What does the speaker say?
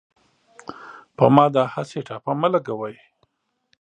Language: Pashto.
په ما داهسې ټاپه مه لګوۍ